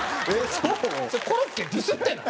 それコロッケディスってない？